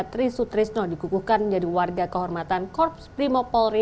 trisut trisno dikukuhkan menjadi warga kehormatan korps primo polri